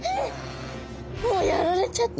もうやられちゃってる。